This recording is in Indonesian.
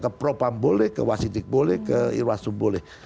ke propam boleh ke wasidik boleh ke irwasum boleh